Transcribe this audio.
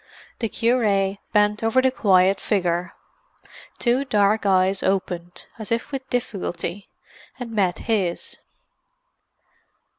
The cure bent over the quiet figure. Two dark eyes opened, as if with difficulty, and met his.